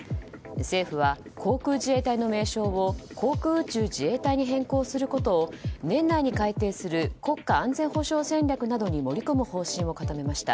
政府は、航空自衛隊の名称を航空宇宙自衛隊に変更することを年内に改定する国家安全保障戦略などに盛り込む方針を固めました。